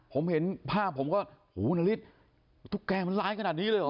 ผมเห็นภาพผมก็โหนัฬิแก่มันร้ายขนาดนี้เลยหรอ